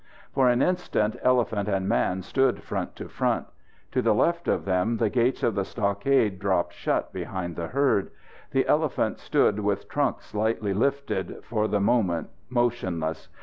For an instant elephant and man stood front to front. To the left of them the gates of the stockade dropped shut behind the herd. The elephant stood with trunk slightly lifted, for the moment motionless.